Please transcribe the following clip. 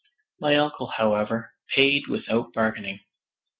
My uncle, however, paid without bargaining.